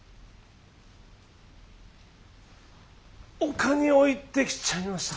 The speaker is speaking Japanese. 丘に置いてきちゃいました。